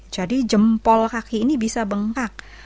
jadi jempol kaki ini bisa bengkak